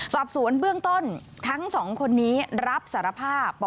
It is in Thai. สอบสวนเบื้องต้นทั้งสองคนนี้รับสารภาพ